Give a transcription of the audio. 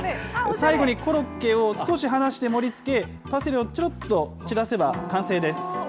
最後にコロッケを少し離して盛りつけ、パセリをちらっと散らせば完成です。